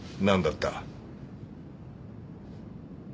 何だった？